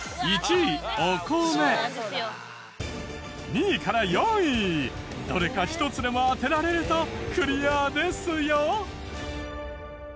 ２位から４位どれか１つでも当てられるとクリアですよ。